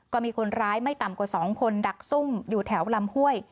ก็มีคนร้ายไม่ต่ำกว่า๒คนดักซุ่มอยู่แถวลำห้วย